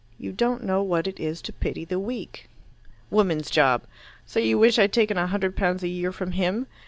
You don't know what it is to pity the weak." "Woman's job. So you wish I'd taken a hundred pounds a year from him.